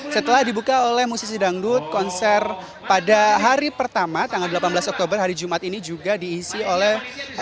setelah dibuka oleh musisi dangdut konser pada hari pertama tanggal delapan belas oktober hari jumat ini juga diisi oleh